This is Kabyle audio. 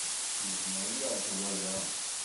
Yezmer ad yeṛju waya?